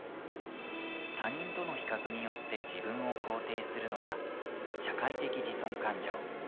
他人との比較によって自分を肯定するのが「社会的自尊感情」。